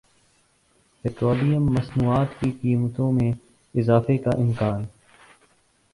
petroleum مصنوعات کی قیمتوں میں اضافے کا امکان